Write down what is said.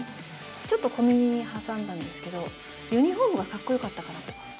ちょっと小耳に挟んだんですけど、ユニホームがかっこよかったからと。